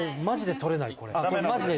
マジで取れない、これ。